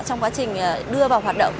trong quá trình đưa vào hoạt động